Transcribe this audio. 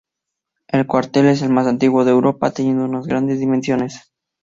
El cuartel es el más antiguo de Europa teniendo unas grandes dimensiones.